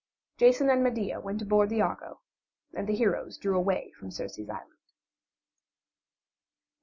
Jason and Medea went aboard the Argo, and the heroes drew away from Circe's island. VI.